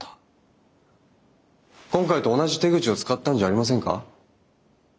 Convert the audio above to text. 今回と同じ手口を使ったんじゃありませんか？